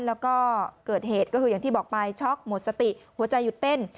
แล้วก็เกิดเหตุก็คืออย่างที่บอกไปช็อกหมดสติหัวใจหยุดเต้น